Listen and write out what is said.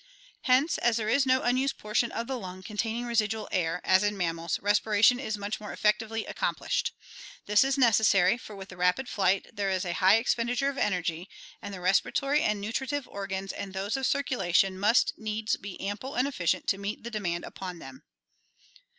Hence as there is no unused portion of the lung containing residual air, as in mammals, respiration is much more effectively accomplished* This is neces sary, for with the rapid flight there is a high expenditure of energy, and the respiratory and nutritive organs and those of circulation must needs be ample and efficient to meet the demand upon them.